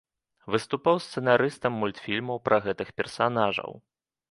Выступаў сцэнарыстам мультфільмаў пра гэтых персанажаў.